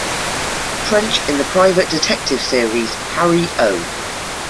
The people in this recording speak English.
Trench in the private detective series "Harry O".